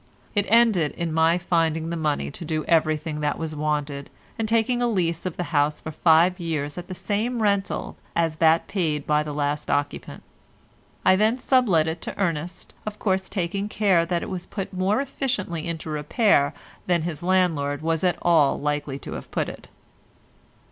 It ended in my finding the money to do everything that was wanted, and taking a lease of the house for five years at the same rental as that paid by the last occupant. I then sublet it to Ernest, of course taking care that it was put more efficiently into repair than his landlord was at all likely to have put it.